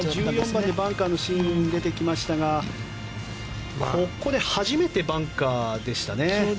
１４番のバンカーのシーン出てきましたがここで初めてバンカーでしたね。